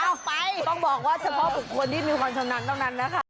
กำลังบอกว่าเฉพาะ๖คนที่มีความชนำเริ่มเพียงนั้นนะคะ